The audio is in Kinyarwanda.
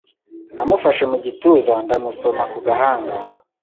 Namufashe mu gituza, ndamusoma ku gahanga.